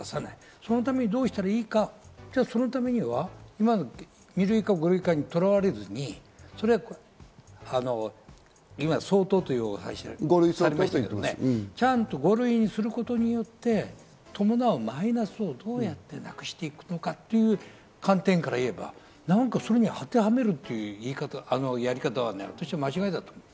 そのためにどうしたらいいか、そのためには２類か５類かにとらわれずに今、「相当」という話をしましたが、ちゃんとしたことによって伴うマイナスをどうやってなくしていくかという観点から言えば、それに当てはめるというやり方は間違いだと思ってる。